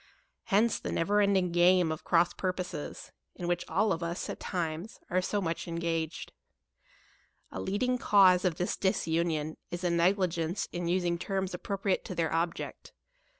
Hence the never ending game of cross purposes, in which all of us, at times, are so much engaged. A leading cause of this disunion is a negligence in us ing terms appropriate to their object.